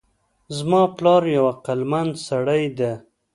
زما پلار یو عقلمند سړی ده